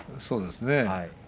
そうですね。